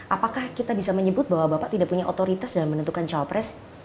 apakah kita bisa menyebut bahwa bapak tidak punya otoritas dalam menentukan cawapres